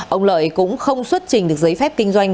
ông lợi cũng không xuất trình được giấy phép kinh doanh